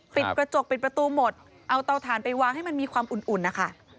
ปิดกระจกปิดประตูหมดเอาเตาถ่านไปวางให้มันมีความอุ่นนะคะ